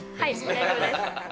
大丈夫です。